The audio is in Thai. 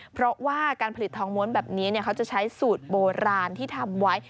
เพราะว่าการผลิตทองม้วนแบบนี้เขาจะใช้สูตรโบราณที่ทำไว้